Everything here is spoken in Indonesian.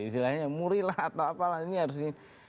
istilahnya muri lah atau apa lah ini harus ini